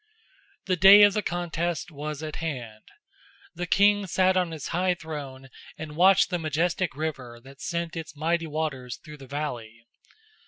The day of the contest was at hand. The king sat on his high throne and watched the majestic river that sent its mighty waters through the valley.